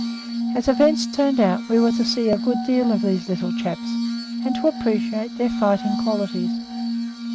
As events turned out we were to see a good deal of these little chaps, and to appreciate their fighting qualities.